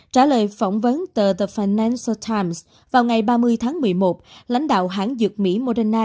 trả lời phỏng vấn tờ the financial times vào ngày ba mươi tháng một mươi một lãnh đạo hãng dược mỹ moderna